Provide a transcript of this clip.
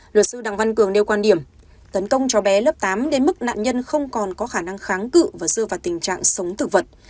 luật sư đặng văn cường nêu quan điểm tấn công cháu bé lớp tám đến mức nạn nhân không còn có khả năng kháng cự và rơi vào tình trạng sống thực vật